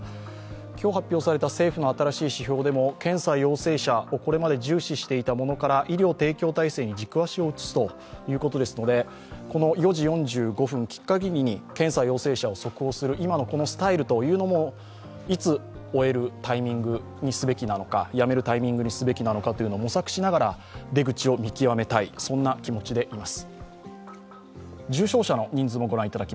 今日発表された政府の新しい指標でも、検査陽性者をこれまで重視していたものから、医療提供体制に軸足を移すということですので、この４時４５分きっかりに検査陽性者を速報する今のスタイルというのもいつ終えるタイミングにすべきなのか、やめるタイミングにすべきなのかも模索しながら、出口を見極めたい気持ちでいます。